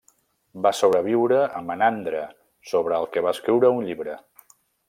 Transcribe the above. Va sobreviure a Menandre sobre el que va escriure un llibre.